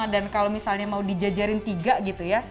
dan kalau misalnya mau dijajarin tiga gitu ya